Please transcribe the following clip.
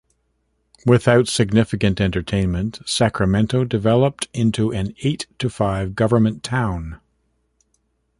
Without significant entertainment, Sacramento developed into an eight-to-five government town.